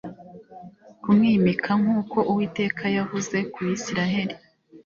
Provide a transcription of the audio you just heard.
kumwimika nk uko Uwiteka yavuze ku Bisirayeli